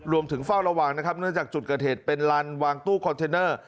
รวมถึงฝ้าระวางนะครับเนื่องจากจุดกระเทศเป็นลานวางตู้คอนเทนเนอร์